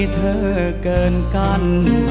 เธอเกินกัน